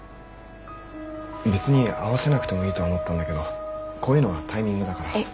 別に合わせなくてもいいとは思ったんだけどこういうのはタイミングだから。